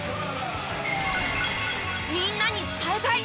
みんなに伝えたい！